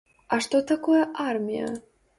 А што такое армія?